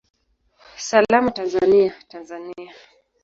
Salama Tanzania, Tanzania!